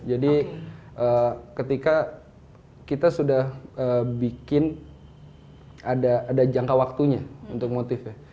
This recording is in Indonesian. jadi ketika kita sudah bikin ada jangka waktunya untuk motifnya